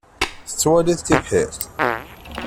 Tettwaliḍ tibḥirt?